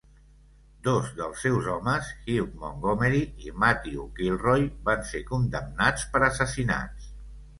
Dos dels seus homes, Hugh Montgomery i Matthew Kilroy, van ser condemnats per assassinats.